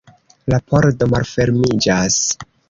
La pordo malfermiĝas.